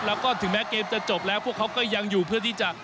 แล้วก็ถึงแม้เกมจะจบแล้วพวกเขาก็ยังอยู่เพื่อที่จะ